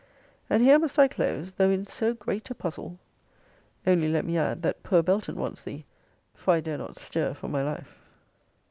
And here must I close, though in so great a puzzle. Only let me add, that poor Belton wants thee; for I dare not stir for my life.